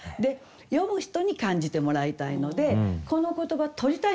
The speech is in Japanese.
読む人に感じてもらいたいのでこの言葉取りたいんですね